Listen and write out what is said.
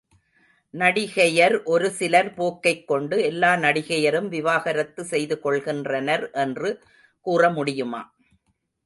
நடிகையர் ஒரு சிலர் போக்கைக்கொண்டு எல்லா நடிகையரும் விவாக ரத்து செய்து கொள்கின்றனர் என்று கூற முடியுமா.